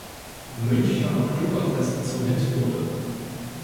Münchner Oktoberfest zum Hit wurde.